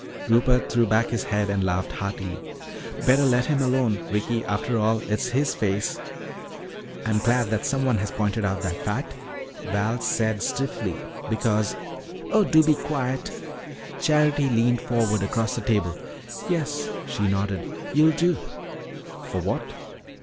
Rupert threw back his head and laughed heartily. "Better let him alone, Ricky. After all, it's his face." "I'm glad that someone has pointed out that fact," Val said stiffly, "because " "Oh, be quiet!" Charity leaned forward across the table. "Yes," she nodded, "you'll do." "For what?"